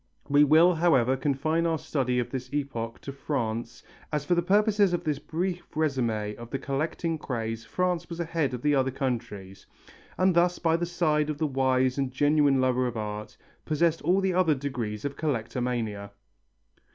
We will, however, confine our study of this epoch to France as for the purposes of this brief résumé of the collecting craze France was ahead of the other countries, and thus by the side of the wise and genuine lover of art, possessed all the other degrees of Collectomania.